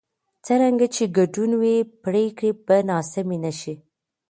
څرنګه چې ګډون وي، پرېکړې به ناسمې نه شي.